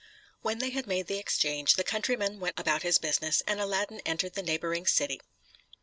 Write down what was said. When they had made the exchange, the countryman went about his business, and Aladdin entered the neighboring city.